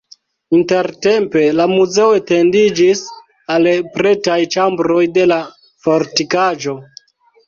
Intertempe la muzeo etendiĝis al pretaj ĉambroj de la fortikaĵo.